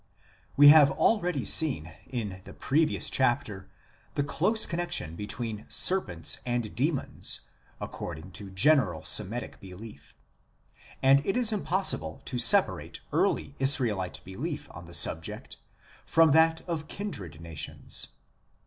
We have already seen, in the preceding chapter, the close connexion between serpents and demons, according to general Semitic belief ; and it is impossible to separate early Israelite belief on the subject from that of kindred nations.